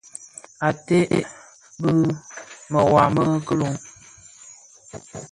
Ated bi mewaa më kiloň,